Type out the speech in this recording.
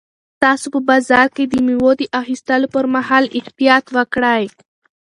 تاسو په بازار کې د مېوو د اخیستلو پر مهال احتیاط وکړئ.